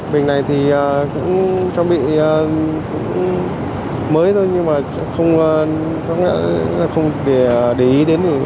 bình này thì cũng trang bị mới thôi nhưng mà không để ý đến